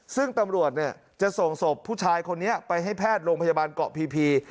ซึ่งตำรวจจะส่งศพผู้ชายคนนี้ไปให้แพทย์โรงพยาบาลเกาะพี